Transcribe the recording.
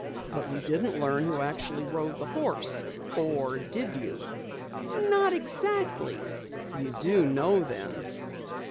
"But we didn't learn who actually rode the horse. Or did you?" "Not exactly." "You do know then!"